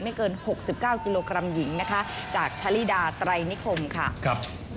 เกิน๖๙กิโลกรัมหญิงนะคะจากชาลีดาไตรนิคมค่ะครับ